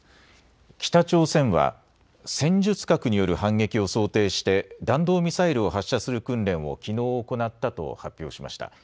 北朝鮮は戦術核による反撃を想定して弾道ミサイルを発射する訓練をきのう行ったと発表しました。